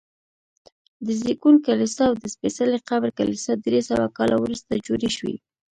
د زېږون کلیسا او د سپېڅلي قبر کلیسا درې سوه کاله وروسته جوړې شوي.